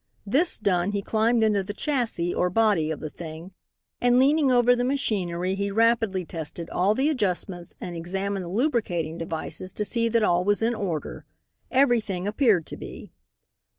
This done, he climbed into the chassis or body of the thing, and leaning over the machinery he rapidly tested all the adjustments and examined the lubricating devices to see that all was in order. Everything appeared to be.